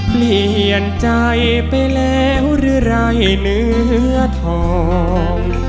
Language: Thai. เปลี่ยนใจไปแล้วหรือไรเหลือทอง